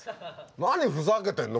何ふざけてんの？